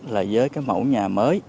là với cái mẫu nhà mới